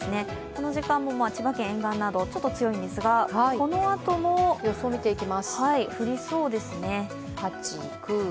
この時間も千葉県沿岸などちょっと強いんですがこのあとも降りそうですね。